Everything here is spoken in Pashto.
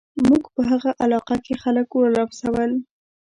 موږ په هغه علاقه کې خلک ولمسول.